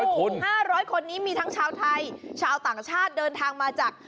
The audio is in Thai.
๕๐๐คนนี้มีทั้งชาวไทยชาวต่างชาติเดินทางมาจาก